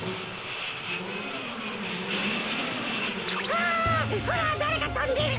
あほらだれかとんでる。